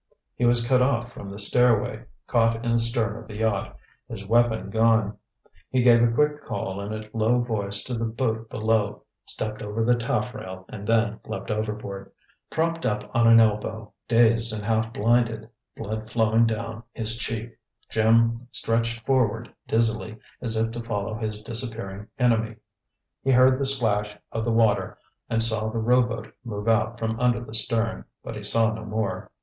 He was cut off from the stairway, caught in the stern of the yacht, his weapon gone. He gave a quick call in a low voice to the boat below, stepped over the taffrail and then leaped overboard. Propped up on an elbow, dazed and half blinded, blood flowing down his cheek, Jim stretched forward dizzily, as if to follow his disappearing enemy. He heard the splash of the water, and saw the rowboat move out from under the stern, but he saw no more.